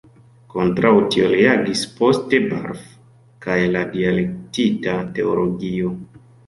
Kontraŭ tio reagis poste Barth kaj la dialektika teologio.